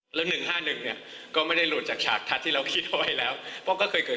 ข้อมูลข้อที่จริงน่าจะคลาดเคลื่อนแต่๒วันเนี่ย